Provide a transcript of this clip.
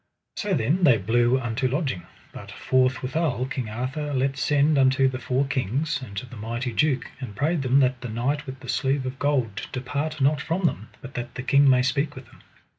So then they blew unto lodging; but forthwithal King Arthur let send unto the four kings, and to the mighty duke, and prayed them that the knight with the sleeve of gold depart not from them, but that the king may speak with him.